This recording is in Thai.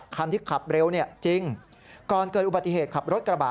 คันที่ขับเร็วเนี่ยจริงก่อนเกิดอุบัติเหตุขับรถกระบะ